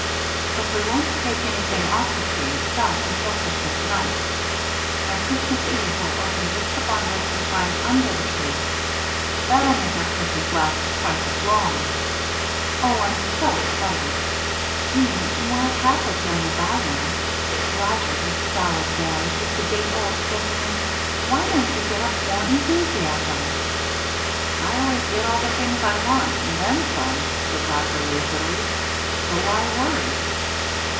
"But we won't take anything off the tree itself until Christmas night. On Christmas eve we'll open just the bundles we find under the tree. That'll make our Christmas last twice as long. Oh, I'm so excited! Jeanne, you aren't half as young as I am. Roger, you stolid boy, you sedate old gentleman, why don't you get up more enthusiasm?" "I always get all the things I want and then some," said Roger, lazily, "so why worry?"